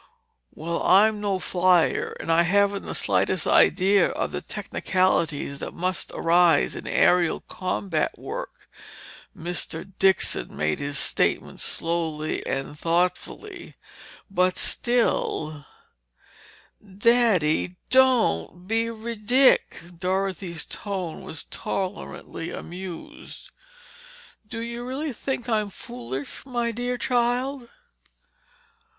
"Well, I'm no flyer and I haven't the slightest idea of the technicalities that must arise in aerial combat work," Mr. Dixon made this statement slowly and thoughtfully, "but still—" "Daddy, don't be ridic." Dorothy's tone was tolerantly amused. "Do you really think I'm foolish, my dear child?"